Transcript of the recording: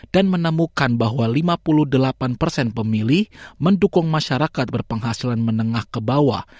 dan menemukan bahwa lima puluh delapan persen pemilih mendukung masyarakat berpenghasilan menengah ke bawah